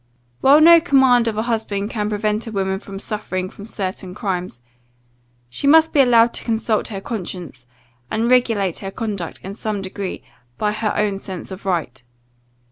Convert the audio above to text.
While no command of a husband can prevent a woman from suffering for certain crimes, she must be allowed to consult her conscience, and regulate her conduct, in some degree, by her own sense of right.